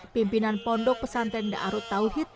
pimpinan pondok pesantren da'arut tauhid